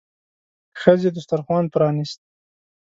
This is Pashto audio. ښځې دسترخوان پرانيست.